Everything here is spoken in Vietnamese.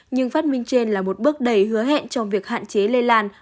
nhưng phát minh trên là một bước đầy hứa hẹn trong việc hạn chế lây lan